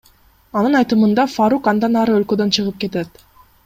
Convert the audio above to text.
Анын айтымында, Фарук андан ары өлкөдөн чыгып кетет.